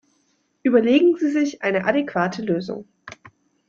Überlegen Sie sich eine adäquate Lösung!